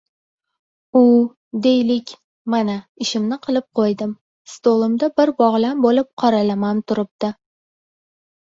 U, deylik, Mana, ishimni qilib qoʻydim, stolimda bir bogʻlam boʻlib qoralamam turibdi